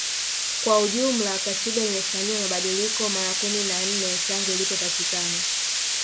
Kwa ujumla Katiba imefanyiwa mabadiliko mara kumi na nne tangu ilipopatikana